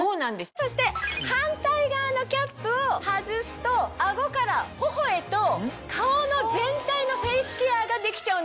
そして反対側のキャップを外すと顎から頬へと顔の全体のフェイスケアができちゃうんですよ。